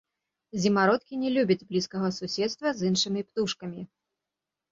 Зімародкі не любяць блізкага суседства з іншымі птушкамі.